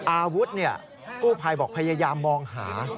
อาวุธกู้ภัยบอกพยายามมองหา